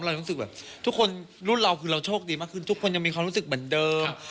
เรารู้สึกแบบทุกคนรุ่นเราคือเราโชคดีมากขึ้นทุกคนยังมีความรู้สึกเหมือนเดิม